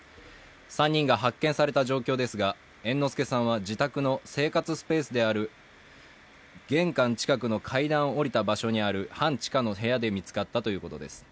３人が発見された状況ですが、猿之助さんは自宅の生活スペースである玄関近くの階段を降りた場所にある半地下の部屋で見つかったということです。